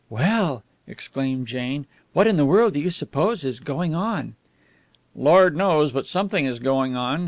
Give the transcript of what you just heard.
"Well!" exclaimed Jane. "What in the world do you suppose is going on?" "Lord knows, but something is going on.